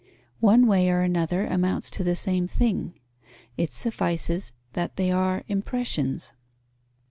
One way or another amounts to the same thing: it suffices that they are impressions.